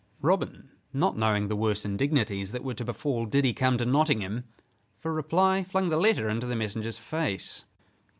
Robin, not knowing the worse indignities that were to befall did he come to Nottingham, for reply flung the letter into the messenger's face.